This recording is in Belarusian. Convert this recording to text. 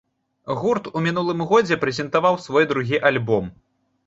Гурт у мінулым годзе прэзентаваў свой другі альбом.